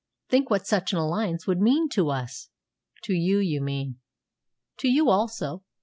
Think what such an alliance would mean to us!" "To you, you mean." "To you also.